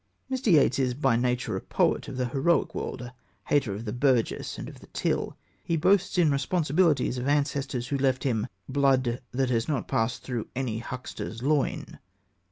Mr. Yeats is by nature a poet of the heroic world a hater of the burgess and of the till. He boasts in Responsibilities of ancestors who left him blood That has not passed through any huckster's loin.